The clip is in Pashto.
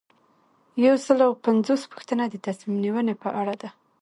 یو سل او پنځوسمه پوښتنه د تصمیم نیونې په اړه ده.